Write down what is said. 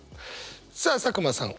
さあ佐久間さん